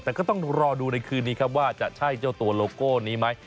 แต่ก็ต้องรอดูในคืนนี้ครับว่าจะใช่เจ้าตัวโลโก้นี้ไหม